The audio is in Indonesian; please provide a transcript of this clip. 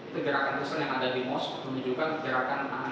itu gerakan piksel yang ada di mouse menunjukkan gerakan tangan yang sederhana